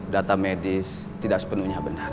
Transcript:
data medis tidak sepenuhnya benar